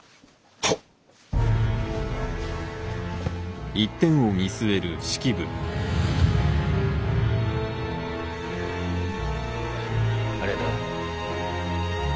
はっ。ありがとよ。